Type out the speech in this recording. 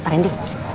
eh pak rendy